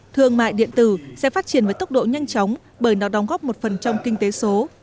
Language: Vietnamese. thương mại điện tử sẽ phát triển với tốc độ nhanh chóng bởi nó đóng góp một phần trong kinh tế số